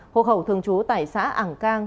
hộ khẩu thường trú tại xã ảng cang